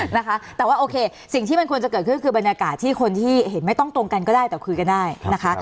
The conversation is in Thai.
นะคะแต่ว่าโอเคสิ่งที่มันควรจะเกิดขึ้นคือบรรยากาศที่คนที่เห็นไม่ต้องตรงกันก็ได้แต่คุยกันได้นะคะ